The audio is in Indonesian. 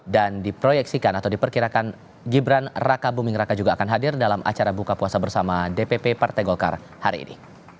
dan diproyeksikan atau diperkirakan gibran raka bumingraka juga akan hadir dalam acara buka puasa bersama dpp partai golkar hari ini